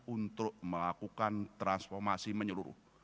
untuk melakukan transformasi menyeluruh